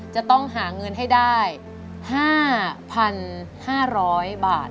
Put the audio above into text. จะต้องหาเงินให้ได้๕๕๐๐บาท